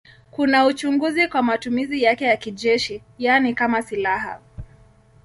Kuna uchunguzi kwa matumizi yake ya kijeshi, yaani kama silaha.